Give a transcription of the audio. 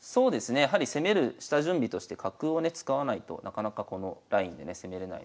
やはり攻める下準備として角をね使わないとなかなかこのラインでね攻めれないので。